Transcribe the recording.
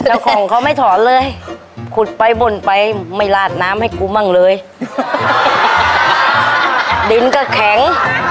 แล้วของเขาไม่ถอนเลยขุดไปบ่นไปไม่ลาดน้ำให้กูมั่งเลยดินก็แข็ง